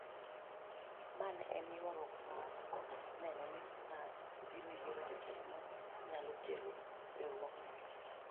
Ma ne en yuaruok mar neno ni knut obiro oyiero jotelo manyalo tego riwruokno.